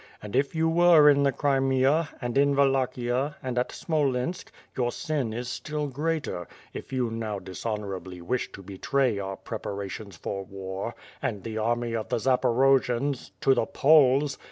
And if you were in the ('rimea, and in Wallachia, and at Smolensk, your sin is still greater, if you now dishonorably wish to be tray our preparations for war, and the army of the Zaporo jians, to the Poles!